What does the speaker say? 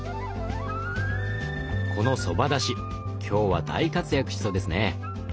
このそばだし今日は大活躍しそうですね。